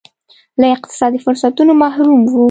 له اقتصادي فرصتونو محروم وو.